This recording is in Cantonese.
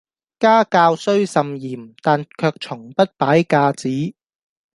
家教雖甚嚴，但卻從不擺架子